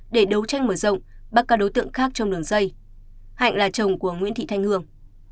để đấu tranh mở rộng bắt các đối tượng khác trong đường dây hạnh là chồng của nguyễn thị thanh hương